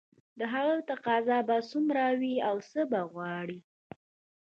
د هغه تقاضا به څومره وي او څه به غواړي